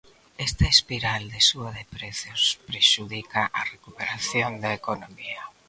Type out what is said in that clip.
Esta espiral de suba de prezos prexudica a recuperación da economía.